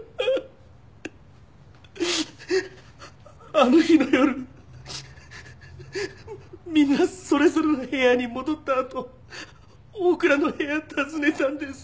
あの日の夜みんなそれぞれの部屋に戻ったあと大倉の部屋訪ねたんです。